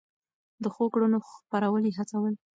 د ښو کړنو خپرول يې هڅول.